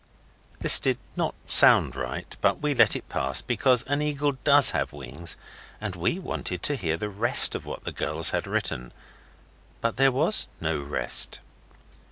This did not sound right, but we let it pass, because an eagle does have wings, and we wanted to hear the rest of what the girls had written. But there was no rest.